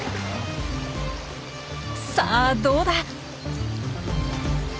さあどうだ？